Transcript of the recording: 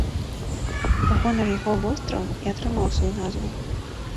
У гонар яго востраў і атрымаў сваю назву.